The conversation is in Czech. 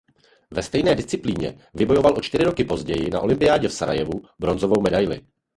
Ve stejné disciplíně vybojoval o čtyři roky později na olympiádě v Sarajevu bronzovou medaili.